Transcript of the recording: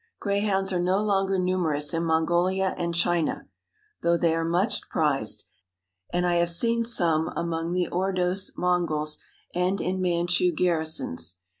Greyhounds are no longer numerous in Mongolia and China, though they are much prized, and I have seen some among the Ordos Mongols and in Manchu garrisons.